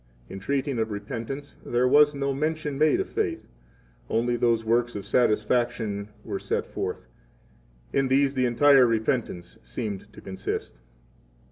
In treating of repentance, there was no mention made of faith; only those works of satisfaction were set forth; in these the entire repentance seemed to consist.